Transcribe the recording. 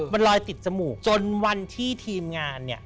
มันลอยติดจมูกจนวันที่ทีมงานเนี่ย